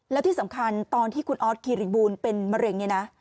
แล้วที่สำคัญตอนที่คุณออสคิริบูลเป็นมะเร็งเนี่ยนะ